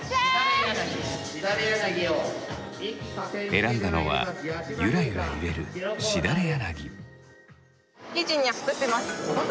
選んだのはゆらゆら揺れるしだれ柳。